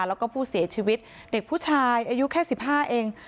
แล้วก็ผู้เสียชีวิตเด็กผู้ชายอายุแค่๑๕เอง